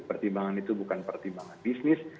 pertimbangan itu bukan pertimbangan bisnis